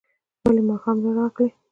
ولي ماښام نه راغلې؟